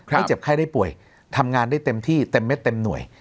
ให้เจ็บไข้ได้ป่วยทำงานได้เต็มที่เต็มเม็ดเต็มหน่วย